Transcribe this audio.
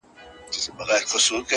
داسي نه كړو.